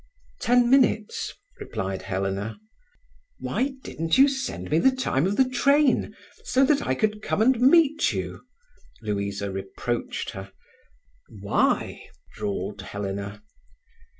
"Ten minutes," replied Helena. "Why didn't you send me the time of the train, so that I could come and meet you?" Louisa reproached her. "Why?" drawled Helena.